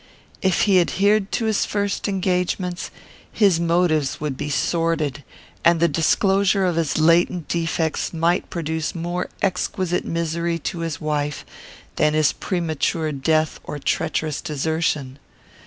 If he adhered to his first engagements, his motives would be sordid, and the disclosure of his latent defects might produce more exquisite misery to his wife than his premature death or treacherous desertion.